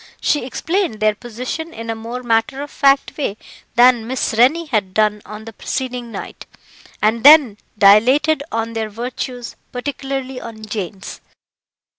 She explained their position in a more matter of fact way than Miss Rennie had done on the preceding night, and then dilated on their virtues, particularly on Jane's.